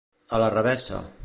A la revessa.